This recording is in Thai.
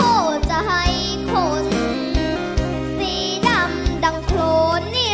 หัวใจคนสีดำดังโครนนี่